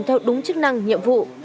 theo đúng chức năng nhiệm vụ